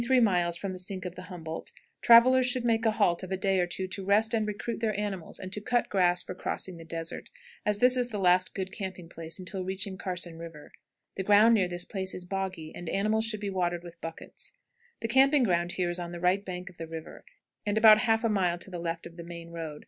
At the Big Meadows, 23 miles from the Sink of the Humboldt, travelers should make a halt of a day or two to rest and recruit their animals and to cut grass for crossing the desert, as this is the last good camping place until reaching Carson River. The ground near this place is boggy, and animals should be watered with buckets. The camping ground here is on the right bank of the river, and about half a mile to the left of the main road.